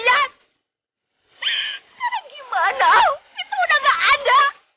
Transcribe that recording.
jangan beranggar selalu biarkan though